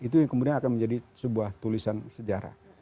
itu yang kemudian akan menjadi sebuah tulisan sejarah